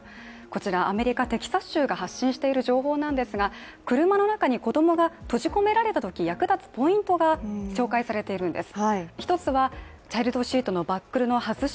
こちらアメリカ・テキサス州が発信している情報なんですが、車の中に子供が閉じ込められたとき役立つポイントが紹介されているんです。